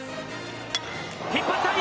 引っ張った！